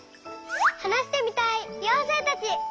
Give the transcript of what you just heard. はなしてみたいようせいたち！